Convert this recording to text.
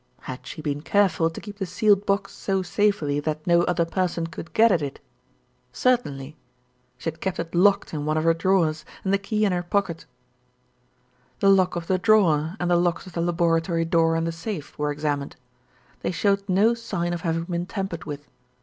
Had she been careful to keep the sealed box so safely that no other person could get at it? Certainly! She had kept it locked in one of her drawers, and the key in her pocket. "The lock of the drawer, and the locks of the laboratory door and the safe, were examined. They showed no sign of having been tampered with.